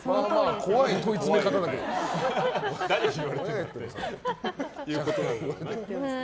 怖い問い詰め方だね。